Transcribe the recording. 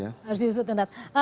harus diusut untas